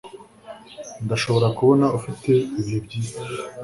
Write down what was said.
Ndashobora kubona ufite ibihe byiza.